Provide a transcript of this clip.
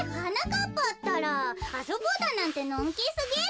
ったらあそぼうだなんてのんきすぎる。